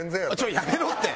やめろって！